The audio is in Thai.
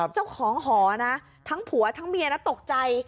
เจ้าของหอนะทั้งผัวทั้งเมียนะตกใจ